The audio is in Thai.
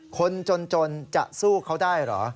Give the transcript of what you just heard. คนจนจะสู้เขาได้เหรอ